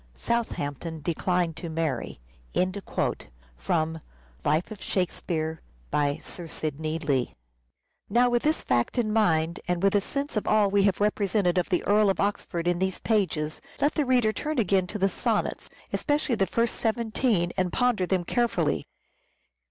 ... Southampton declined to marry" (Life of Shakespeare — Sir Sidney Lee). Now with this fact in mind, and with a sense of all we have represented of the Earl of Oxford in these pages, let the reader turn again to the Sonnets, especially the first seventeen, and ponder them care fully.